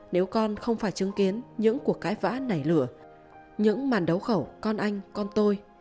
nếu con không phải chứng kiến những cuộc cãi vã nảy lửa những màn đấu khẩu con anh con tôi